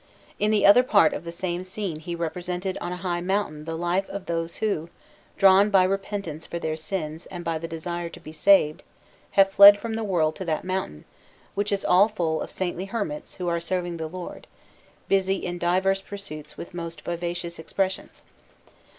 In the other part of the same scene he represented on a high mountain the life of those who, drawn by repentance for their sins and by the desire to be saved, have fled from the world to that mountain, which is all full of saintly hermits who are serving the Lord, busy in diverse pursuits with most vivacious expressions.